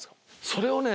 それをね